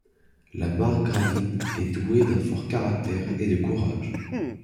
La margravine est douée d'un fort caractère et de courage.